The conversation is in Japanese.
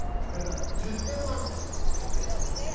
１０点ってすごいね。